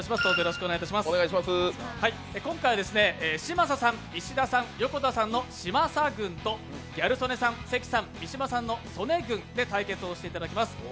今回は嶋佐さん石田さん、横田さんの嶋佐軍とギャル曽根さん、関さん三島さんの曽根軍で対決していただきます。